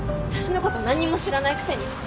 私のこと何にも知らないくせに。